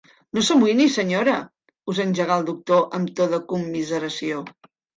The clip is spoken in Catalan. No s'amoïni, senyora –us engegà el doctor, amb to de commiseració–.